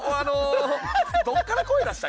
どこから声出した？